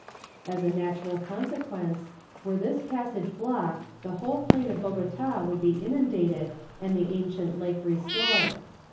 As a natural consequence, were this passage blocked, the whole plain of Bogota would be inundated and the ancient lake restored.